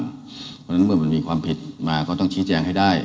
เพราะฉะนั้นเมื่อมันมีความผิดมาก็ต้องชี้แจงให้ได้